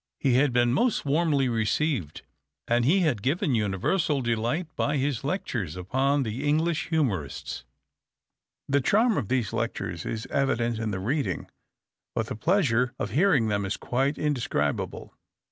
He had been most warmly received, and he had given universal delight by his lectures upon the English Humorists. The charm of these lectures is evident in the reading, but the pleasure of hearing them is quite indescribable.